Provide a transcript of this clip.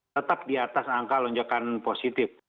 tetap di atas angka lonjakan positif